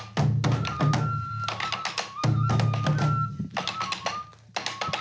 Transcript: สวัสดีครับ